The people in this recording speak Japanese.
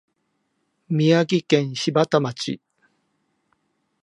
宮城県柴田町